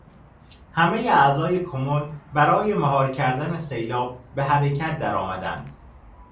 همهٔ اعضای کمون برای مهار کردن سیلاب به حرکت درآمدند.